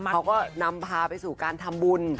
เขาก็นำพาไปสู่การทำบุญ